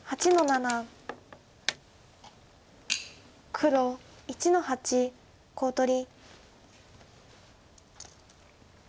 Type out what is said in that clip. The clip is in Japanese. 黒１の八コウ取り。